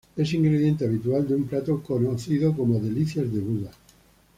Es ingrediente habitual de un plato conocido como Delicias de Buda.